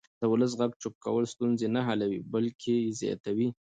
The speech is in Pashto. د ولس غږ چوپ کول ستونزې نه حلوي بلکې یې زیاتوي